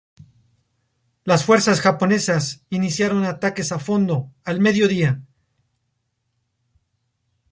Las fuerzas japonesas iniciaron ataques a fondo al mediodía.